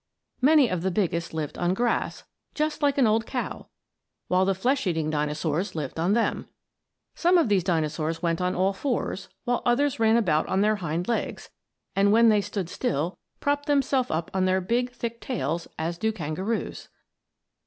Many of the biggest lived on grass, just like an old cow, while the flesh eating Dinosaurs lived on them. Some of these Dinosaurs went on all fours, while others ran about on their hind legs, and when they stood still, propped themselves up on their big, thick tails as do kangaroos.